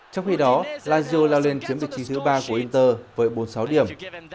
trong khi đó lazio lao lên chiếm vị trí thứ ba của inter với bốn mươi sáu điểm